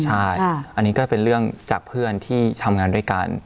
ใช่อันนี้ก็เป็นเรื่องจากเพื่อนที่ทำงานด้วยกัน